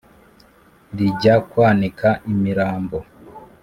rijya kwanika imirambo;